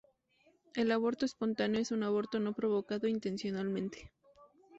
El aborto espontáneo es un aborto no provocado intencionalmente.